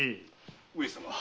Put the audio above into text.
上様。